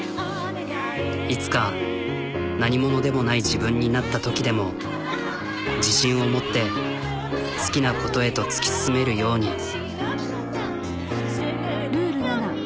いつか何者でもない自分になったときでも自信を持って好きなことへと突き進めるように。